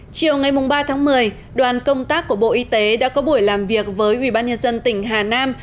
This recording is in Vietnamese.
chiều ngày ba tháng một mươi đoàn công tác của bộ y tế đã có buổi làm việc với ubnd tỉnh hà nam